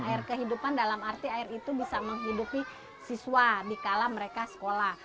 air kehidupan dalam arti air itu bisa menghidupi siswa dikala mereka sekolah